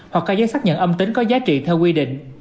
hoặc các giấy xác nhận âm tính có giá trị theo quy định